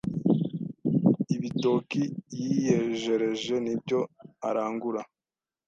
ibitoki yiyejereje n’ibyo arangura